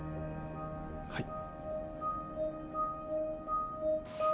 はい。